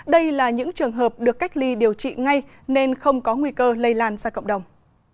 đây là những trường hợp được cách ly điều trị ngay nên không có nguy cơ lây lan ra cộng đồng